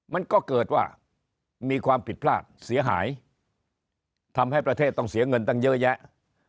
มันก็เกิดว่ามีความผิดพลาดเสียหายทำให้ประเทศต้องเสียเงินตั้งเยอะแยะ